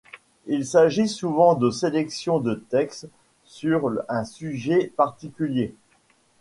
Il s'agit souvent de sélections de textes sur un sujet particulier.